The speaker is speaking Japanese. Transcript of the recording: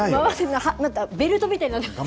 ベルトみたいになってました。